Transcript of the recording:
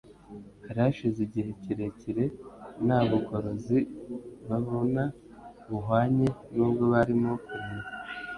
hari hashize igihe kirekire nta bugorozi babona buhwanye nubwo barimo kureba.